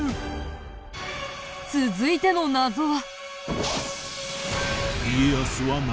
続いての謎は。